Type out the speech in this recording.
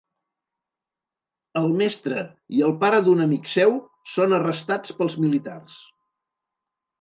El mestre i el pare d'un amic seu són arrestats pels militars.